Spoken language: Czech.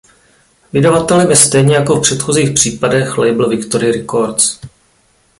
Vydavatelem je stejně jako v předchozích případech label Victory Records.